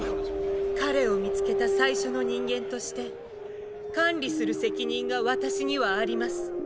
彼を見つけた最初の人間として管理する責任が私にはあります。